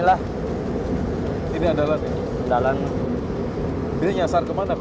kan diri tangan kaki dua sandi panas vaganya